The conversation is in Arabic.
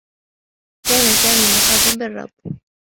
كان سامي مصابا بالرّبو.